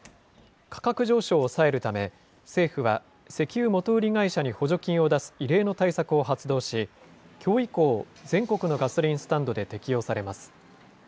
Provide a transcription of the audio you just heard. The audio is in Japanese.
価格上昇を抑えるため政府は、石油元売り会社に補助金を出す異例の対策を発動し、きょう以降、全国のガソリンスタンドで適用されます。